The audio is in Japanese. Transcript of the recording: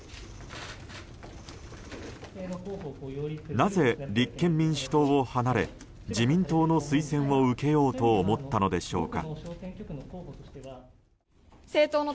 なぜ、立憲民主党を離れ自民党の推薦を受けようと思ったのでしょうか。